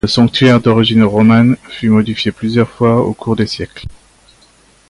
Le Sanctuaire d’origine romane, fut modifié plusieurs fois au cours des siècles.